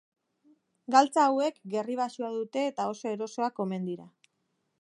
Galtza hauek gerri baxua dute eta oso erosoak omen dira.